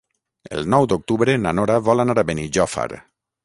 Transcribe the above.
El nou d'octubre na Nora vol anar a Benijòfar.